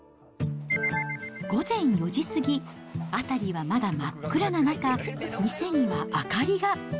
午前４時過ぎ、辺りはまだ真っ暗な中、店には明かりが。